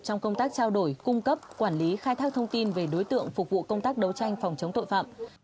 trong công tác trao đổi cung cấp quản lý khai thác thông tin về đối tượng phục vụ công tác đấu tranh phòng chống tội phạm